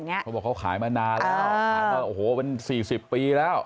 เขาบอกเขาขายมานานแล้วขายมาโอ้โหเป็น๔๐ปีแล้ว